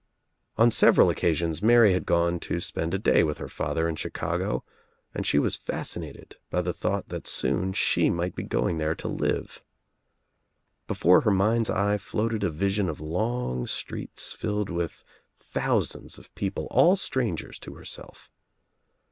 On several occasions Mary had gone to spend a day with her father in Chicago and she was fascinated by the thought that soon she might be going there to live. Be fore her mind's eye floated a vision of long streets filled with thousands of people all strangers to her self.